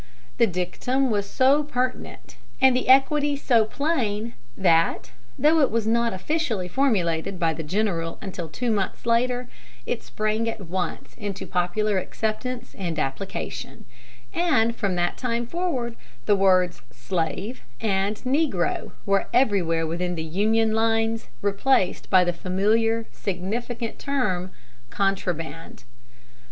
The dictum was so pertinent, and the equity so plain, that, though it was not officially formulated by the general until two months later, it sprang at once into popular acceptance and application; and from that time forward the words "slave" and "negro" were everywhere within the Union lines replaced by the familiar, significant term "contraband."